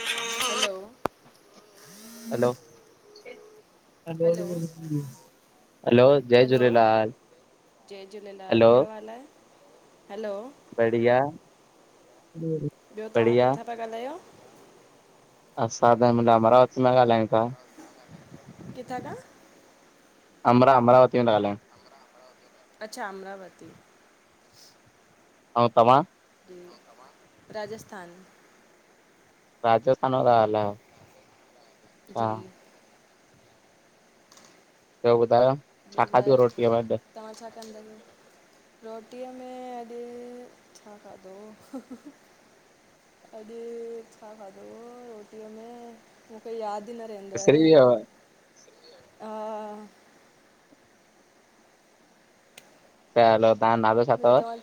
हलो [inaudible] hello! Hello hello, जय hello Jhulelal. जय Jhulelal, hello कहिड़ो हालु आहे? हलो बढ़िया, बढ़िया। ता ॻाल्हायो? [unintelligible] अमरावत मां ॻाल्हायूं ता। किथां तां? अमरा अमरावतीअ मां ॻाल्हायूं। अमड़ा अमड़ावती। अच्छा, अमरावती। अऊं तव्हां? अऊं तव्हां? राजस्थान। राजस्थान तां ॻाल्हायो। अच्छा जी। ॿियो ॿुधायो। ॿियो छा खाधो ॿुधायो। रोटीअ में अॼु तव्हां छा कंदा आयो। रोटीअ में अॼु छा खाधो? अॼु छा खाधो? रोटीअ में? मुखे यादि न रहंदो आ विसरी रे, वियव हा। पहिलो तां जो नालो? छा ॿ अथव तवल,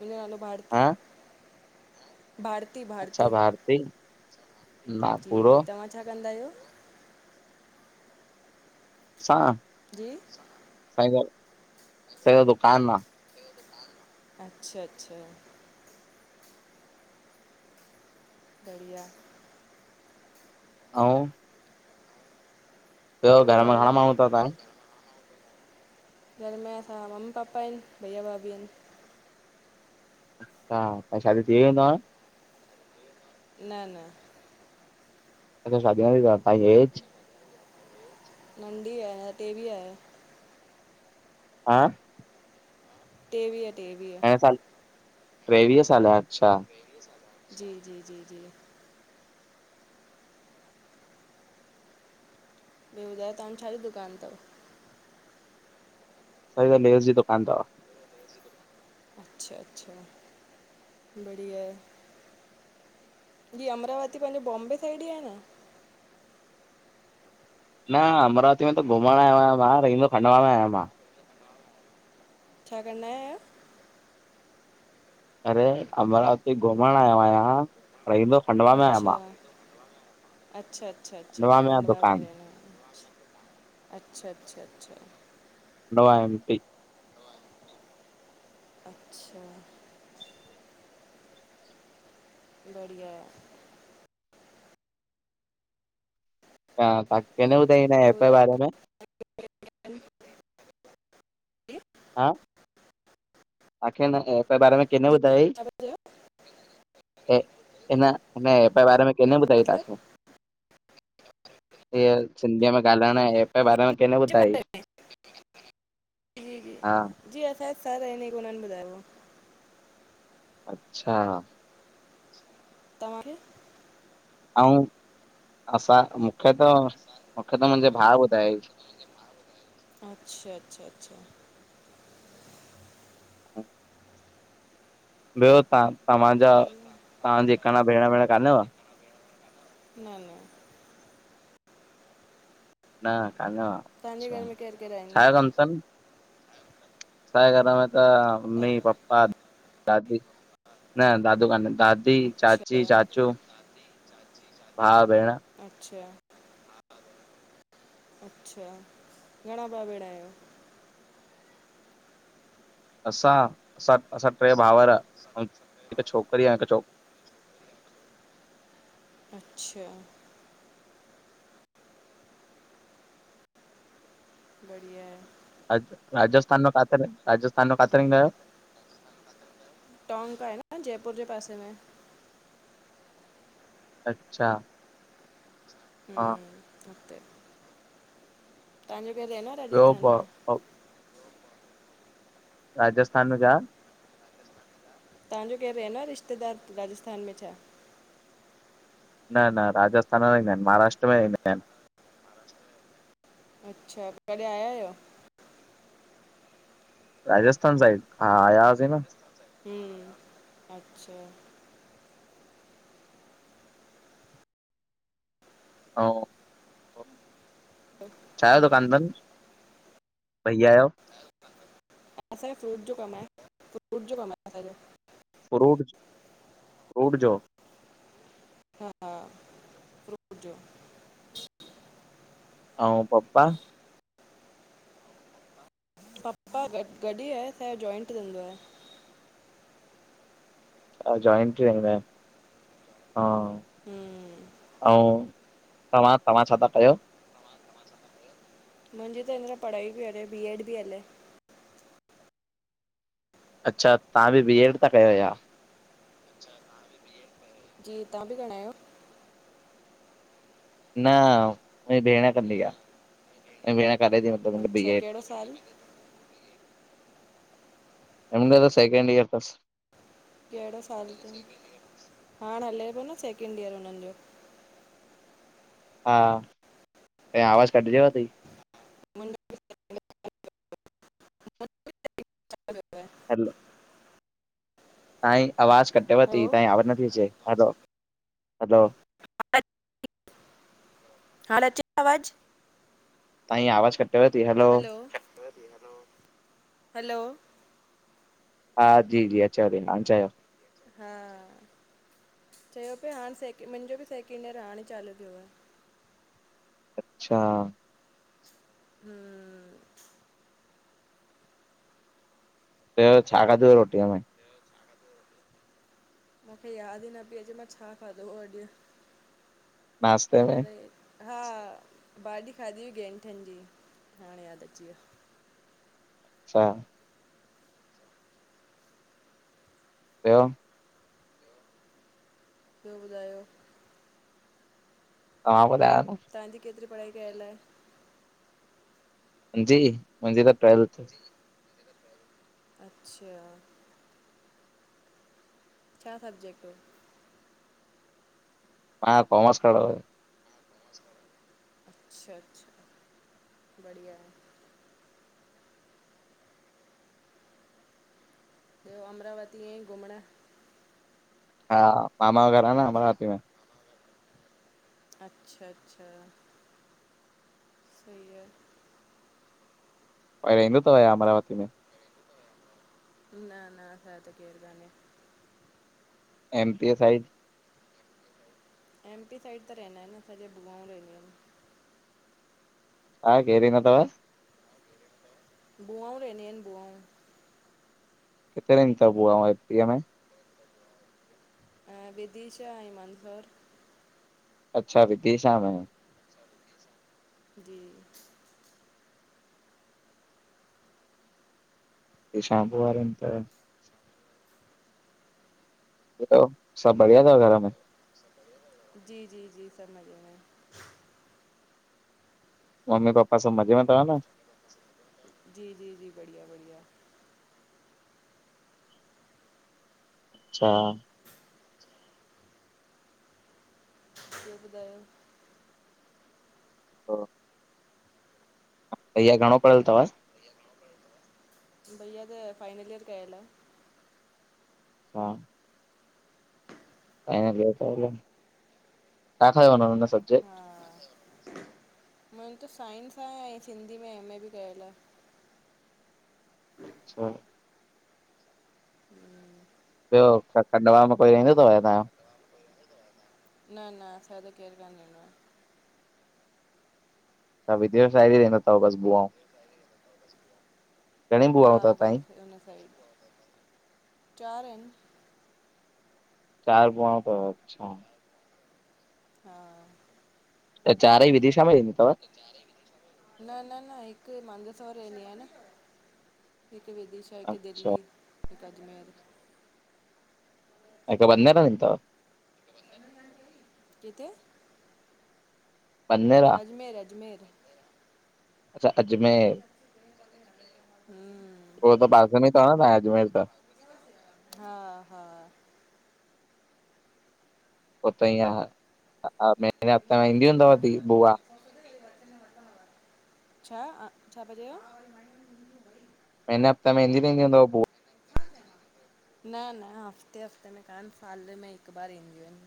मुंहिंजो नालो भारती, हा भारती भ। अच्छा, भारती। ना जी, पूरो तव्हां छा कंदा आहियो? असां। जी। साईं त, पहिंजो दुकान आ। अच्छा अच्छा। बढ़िया। अऊं। ॿियो घर मां घणा माण्हू तव तव्हांजे? घर में असांजा मम्मी पापा आहिनि भईया भाभी आहिनि। हा, त शादी थी वेंदव। न न। अच्छा, शादीअ वारी तव्हां जी एज। नंढी आहियां, टेवीह आहियां। हा। टेवीह टेवीह। [unintelligible] टेवीह साल अच्छा। जी जी जी जी। ॿियो ॿुधयो, तव्हां जो छा जो दुकान तव? साईं त, लेस जी दुकान तव। अच्छा अच्छा, बढ़िया ए। हीअ अमरावती पांजे बॉम्बे साइड ई आ न? न, अमरावती में त घुमण आयो आयां आहियां मां, रहंदो खंडवा आयां मां। छा कंदा आहियो [unintelligible] अरे अमरावती घुमण आयो आहियां रहंदो खंडवा में आहियां अच्छा। मां। अच्छा अच्छा अच्छा, खंडवा में रहणा आहिनि, अच्छा अच्छा अच्छा। खंडवा एम पी अच्छा बढिया आहे। हा, तां खे न ॿुधाईयई हिन ॿियो ऐप ॿुधायो बारे में? जी हा तांखे हिन ऐप जे बारे में केन जी ॿुधायई? छा पिया चयो हिन ऐप जे बारे में किन ॿुधायईं मतिलबु ताखे? हिअ सिंधीअ में ॻाल्हाइण ऐं हिन ऐप जे बारे में किन ॿुधायई? जी जी जी असांजा सर आहिन हिक हुनन ॿधायो हो। अचछा। तव्हांखे? आऊं असां मूंखे त मूंखे त मुंहिंजे भाउ ॿुधाय ईं। अच्छा अच्छा अच्छा। ह ॿियो तां, तव्हांजा तव्हांजी कणा भेण वेण कानेव? न न न कानेव तव्हांजे अचछा, घर में केरु केरु आहिनि छा जो कम तन? असांजे घर में त मम्मी, पपा, दादी, न दादू कान आहिन, दादी दी अच्छा चाची, चाचू, भाउ, भेण अच्छा। अच्छा, घणा भा भेण आहियो? असां असां असां टे भाउर ऐं हिकु छोकिरी ऐं हिकु छोक अच्छा। बढिया आहे। रा राजस्थान में काथे रहिं, राजस्थान में काथे रहिंदा आयो? टॉक आहे न जयपुर जे पासे में। अच्छा हा। उते। तव्हांजो केरु रहंदो आ ॿियो राजस्थान प में? राजस्थान में छा? तव्हांजो केरु रहंदो आ रिश्तेदार राजस्थान में छा? न न राजस्थान में न आहिन, महाराष्ट्र में रईंदा आहिनि। अच्छा त कॾहिं आया आहियो? राजस्थान साइड, हा आया हुआसीं न। हम्म, अच्छा। हा। छाजो दुकान हम्म तन, भैया जो? असांजो फ्रूट जो कम आहे, फ्रूट जो कम आहे असांजो। फ्रूट, फ्रूट जो। हा, फ्रूट जो। आऊं पपा? पपा गॾ गॾु ही आहे असांजो जॉइंट जो धंधो आहे। अच्छा जोइंट थी व हा। हम्म, आऊं तव्हां, तव्हां छा था कयो? मुंहिंजी त हिमल पढ़ाई बि हले बी एड बि हले। अच्छा तव्हां बि, बी एड था कयो या? अच्छा नाल बि। [unintelligible] जी तव्हां बि घणा आहियो? न मुंहिंजी भेण कंदी आहे, मुंहिंजी भेण करे थी मतिलबु बी अच्छा एड कहिड़ो साल अन्या त सेकंड ईयर तस। कहिड़ो साल अथईं हाणे हले पियो न, सेकेंड ईयर हुननि जो। हा, तहीं आवाज़ कटिजे वठी। मुंहिंजो [inaudible] हलो। ताही आवाज कटे वधती हलो ताही आवाज़ न अचे ती हलो हलो। हाणे अचे थी आवाज़। नही आवाज़ कट हलो हलो। हा जी जी, अच थी हाणे चायो। हा चयो पिियो हाणे सेक मुंहिंजो बि सैकेंड ईयर हाणे चालू थियो आह। अच्छा। हम्म त छा खाधू रोटीअ में? मूंखे यादि ई न पई अचे मां छा खाधो आ अॼु नाश्ते में अञा ताईं? हा भाॼी खाधी हुई गेंठनि जी हाणे यादि अची विया। छा। बयो। ॿियो ॿुधायो। तव्हां ॿुधायो न। तव्हांजी केतिरि पढ़ाई कयल आहे? जी, मुंहिंजी त पहिरी अच्छा छा सब्जेक्ट हुयो? मां कॉमर्स कयो। अच्छा अच्छा, बढ़िया आहे। ब्यो अमरावतीअ घुमणु। हा मामा घर आहे न अमरावती में। अच्छा अच्छा तीह कोई रहंदो अथव या अमरावती में? न न, असांज त केरु कान्हे। M P side? MP side त रहंदा आहिनि, असांजे भुआऊं रहंदियूं आहिनि। तयो केर रहंदो अथव? भुआऊं रहंदी आहिनि भुआऊं। किथे रहंदी अथव तव्हांजी भुआ एमपी में? विदिशा, मनभर अच्छा विदिशा जी शम्पू वारे त बुधायो सभु बढ़िया थव घर में? जी जी जी सब मझे में। ममी पपा सभु मज़े में थव न? जी जी जी बढ़िया बढ़िया अच्छा। ॿियो ॿुधायो? हा भैया घणो पढ्यल थव? भईया त फाइनल इयर कयल आ। हा ऐं बियो त, छा खयो हुयन हुनन सब्जेक्ट? मेन त साइंस आहे, ऐं सिंधी में एमए बि कयल आ। अच्छा। ॿियो छा खंडवा में कोई रहिंदो थव छा तव्हांजो? न न असां जो त केरु कन रहिंदो आहे। सभ विदे साी रहंदो अथव बस बनाऊं? घणी हा बुआऊं अथव तव्हांजी बसि हुन साइड, चार आहिनि चार बुआऊं तव अच्छा। हा। त चार ई विदिशा में रईंदी थव? न न न हिकु मांंदसवार रहंदी आ न। हिकु विदशा, हिकु अच्छा दिल्ली, हिकु अजमेर हिक बंद्ेार रहंदी तव? किसे? पन? अजमेर, अजमेर अच्छा अजमेर, हम्म उहो त पासे में थव न तव्ह अजमेर त हा हा पो त ईंअ महीने हफ्ते में ईंदी हूंदव बि बुआ छा छा पिया चयो? हिन ह्फ्ते में ईंदी रहंदी हूंदव बु न न हफ़्ते हफ़्ते में कान, साल में हिकु बार ईंदियूं आहिनि।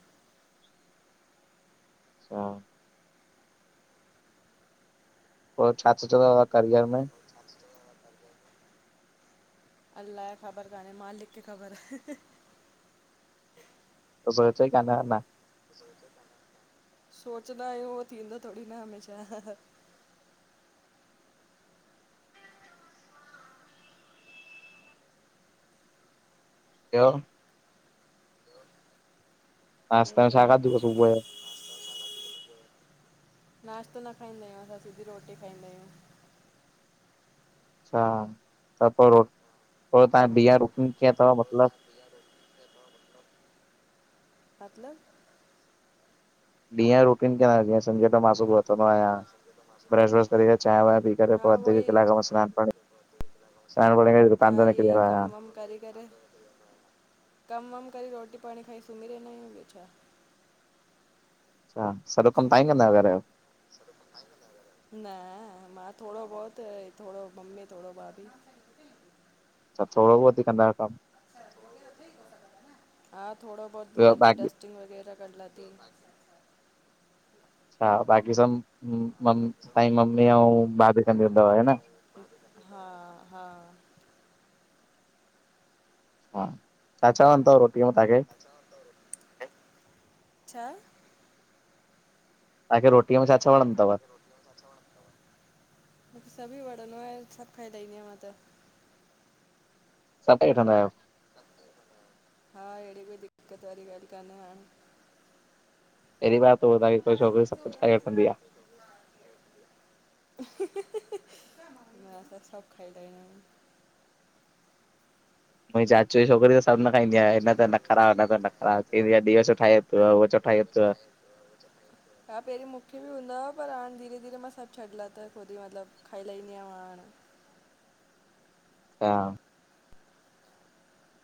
अच्छा। पोइ छा सोचियो करियर में? [unintelligible] अलाऐ ख़बर कान्हे मालिक खे ख़बर। त सोचो ई काने अञा। सोचदा आइयूं उहो थींदो थोरी न आहे हमेशा। ॿियो आस ॿियो पास ॿुधायो? आवाज सुबह जो नाश्तो न खाईंदा आहियूं, असां सिधी रोटी खाईंदा आहियूं। अच्छा त पोइ रोट पोइ तव्हां बीह हम्म रोटी कीअं अथव मतलबु मतलब? ॾींहं जो रुटीन कंद जीअं समझो त मां सुबुह उथंदो आहियां। ब्रश- व्रश करी करे, चांयं- वांय पी करे पो हा उहो अधे ई कलाक में सनान पाणी [unintelligible] नान बो कानन कीव कम करे करे। कम वम करे रोटी पाणी खाई सुम्ही रहंदा आंयूं, ॿियो छा! अच्छा, सॼो कम तां ई कंदा आयो घर जो? न मां थोङो बोहत, थोङो मम्मी, थोङो भाभी। त थोङो बोहोत ई कंदा आयो कमु! हा थोड़ा बहुत ॿियो घर जी बाक़ी डर्स्टिंग वग़ैरह कर लाथी। हा बाक़ी सब कम तांईं मम्मी ऐं भाभी कंदियूं थव, ह न। हा -हा छा- छा वणंदो थव रोटीअ में तांखे? अ, छा? तहांखे रोटीअ में छा- छा वणंदो थव? मूंखे सभी वणदो आहे, सभु खाई लाईंदी आंयां मां त। सब खाई वठंदा आयो? हा हेड़ी कोई दिक्क़त वारी ॻाल कान ए हाणे। पहिरी बार तो ॿुधां त कोई छोकरी सब कुछु खाई वठंदी आ। मां त सब खाई लांयां। मुंजे चाचू जी छोकिरी त सब न खाईंदी आ, हिन ते नखरा, उन ते नख़रा, चए भई अॼु ही छो ठायए। त उहो छो ठाई अथव। हा पहिरीं मूंखे बि हूंदा हुआ पर हाणे धीरे धीरे मां सब छॾे लाथा त खुदि मतलबु खाई लाइंदि आयांव हाणे। हा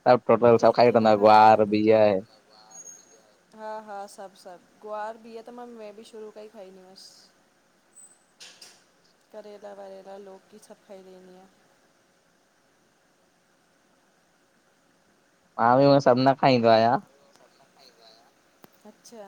ह टोट [unintelligible] केसि तांई नखरा कंदा सां! हा हा, सब सब, गुआर बीह त मां मे बि शुरू खां ई खाईंदी हुअस। करेेला वरेला लौकी सब खाईदी आंयां। मां बि उएं सब न खाईंदो आहियां। अच्छा